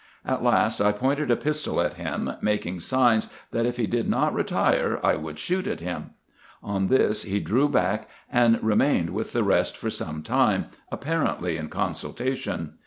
At last I pointed a pistol at him, making signs, that, if he did not retire, I would shoot at him. On this lie IN EGYPT, NUBIA, &c. 67 drew back, and remained with the rest for some time, apparently in consultation.